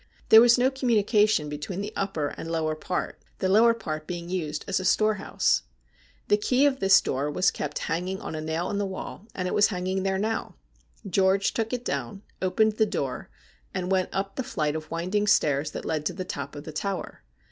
There was no communication between the upper and the lower part, the lower part being used as a storehouse. The key of this door was kept hanging on a nail in the wall, and it was hanging there now. George took it down, opened the door, and went up the flight of winding stairs that led to the top of the tower.